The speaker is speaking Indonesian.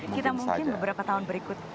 kita mungkin beberapa tahun berikut